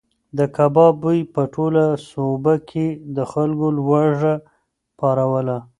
د کباب بوی په ټوله سوبه کې د خلکو لوږه پاروله.